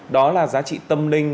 đó là giá trị tâm linh